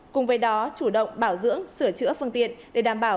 cùng với đó chủ động bảo dưỡng sửa chữa phương tiện để đảm bảo